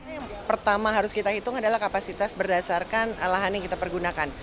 yang pertama harus kita hitung adalah kapasitas berdasarkan lahan yang kita pergunakan